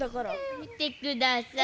みてください。